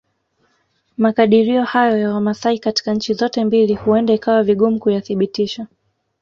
Makadirio hayo ya Wamasai katika nchi zote mbili huenda ikawa vigumu kuyathibitisha